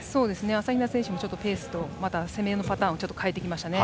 朝比奈選手もペースと攻めのパターンをちょっと変えてきましたね。